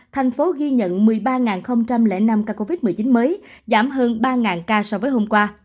thành phố ghi nhận một mươi ba năm ca covid một mươi chín mới giảm hơn ba ca so với hôm qua